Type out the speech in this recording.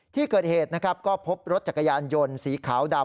ที่เกิดเหตุนะครับก็พบรถจักรยานยนต์สีขาวดำ